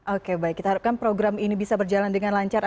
oke baik kita harapkan program ini bisa berjalan dengan lancar